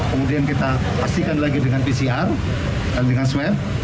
kemudian kita pastikan lagi dengan pcr dan dengan swab